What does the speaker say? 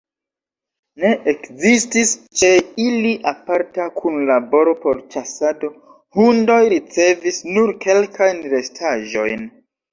Ne ekzistis ĉe ili aparta kunlaboro por ĉasado, hundoj ricevis nur kelkajn restaĵojn.